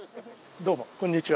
どうもこんにちは。